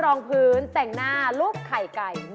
รองพื้นแต่งหน้าลูกไข่ไก่